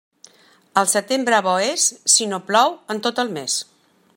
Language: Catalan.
El setembre bo és, si no plou en tot el mes.